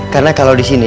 karena kalau di sini